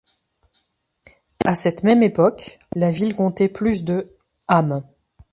À cette même époque, la ville comptait plus de âmes.